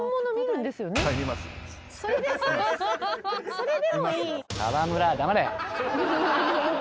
それでもいい？